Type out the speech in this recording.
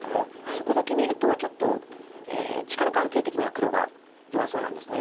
そこだけ見るとちょっと力関係的には黒が弱そうなんです。